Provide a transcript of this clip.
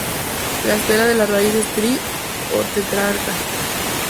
La estela de la raíz es tri o tetrarca.